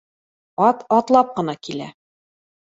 Ат атлап ҡына килә